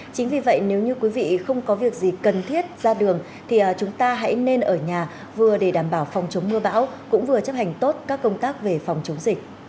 chính vì vậy nếu như quý vị không có việc gì cần thiết ra đường thì chúng ta hãy nên ở nhà vừa để đảm bảo phòng chống mưa bão cũng vừa chấp hành tốt các công tác về phòng chống dịch